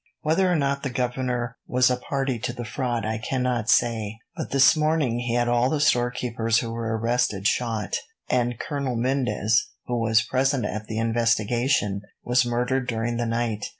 Whether or not the governor was a party to the fraud I cannot say, but this morning he had all the storekeepers who were arrested shot, and Colonel Mendez, who was present at the investigation, was murdered during the night.